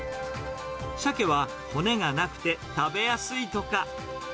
シャケは骨がなくて、食べやすいとか。